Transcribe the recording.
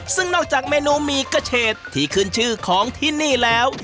ซึ่งนอกจากเมนูหมี่กระเชษที่ขึ้นชื่อของที่นี่แล้ว